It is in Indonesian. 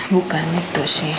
bukan itu sih